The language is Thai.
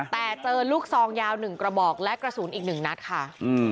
แต่เจอลูกซองยาว๑กระบอกและกระสุนอีกหนึ่งนัดค่ะ